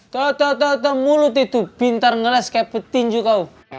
tata tata mulut itu pintar ngeles kayak petin juga